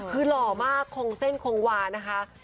คือหล่อมากคงเส้นคงวานะคะ